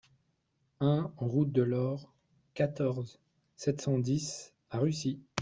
un route de l'Aure, quatorze, sept cent dix à Russy